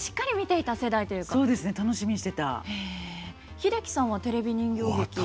英樹さんはテレビ人形劇どうですか？